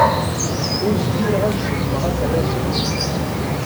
Ur zmireɣ ad cummeɣ aterras-a.